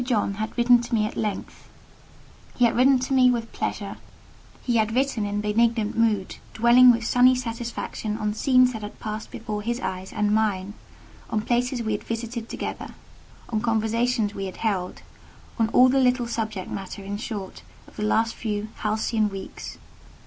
John had written to me at length; he had written to me with pleasure; he had written with benignant mood, dwelling with sunny satisfaction on scenes that had passed before his eyes and mine,—on places we had visited together—on conversations we had held—on all the little subject matter, in short, of the last few halcyon weeks.